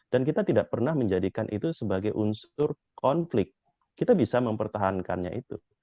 kita tidak pernah menjadikan itu sebagai unsur konflik kita bisa mempertahankannya itu